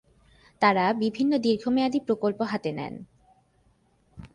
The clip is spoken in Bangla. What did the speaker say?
তারা বিভিন্ন দীর্ঘমেয়াদি প্রকল্প হাতে নেন।